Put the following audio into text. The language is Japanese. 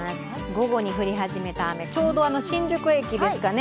午後に降り始めた雨ちょうど新宿駅ですかね